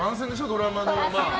ドラマの。